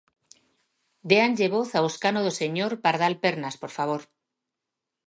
Déanlle voz ao escano do señor Pardal Pernas, por favor.